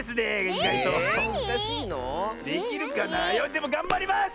でもがんばります！